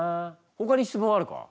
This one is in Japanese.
ほかに質問あるか？